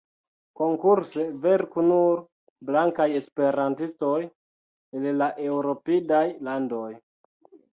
Konkurse verku nur blankaj esperantistoj el la eŭropidaj landoj.